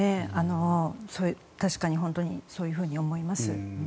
確かに本当にそういうふうに思います。